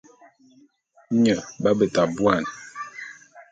Nye b'abeta buan.